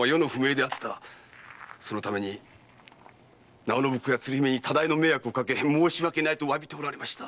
そのために直惟公や鶴姫に多大な迷惑をかけ申し訳ない」と詫びておられました。